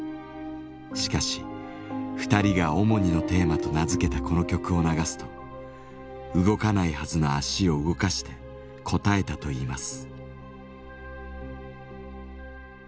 しかし２人が「オモニのテーマ」と名付けたこの曲を流すと動かないはずの足を動かして応えたといいます。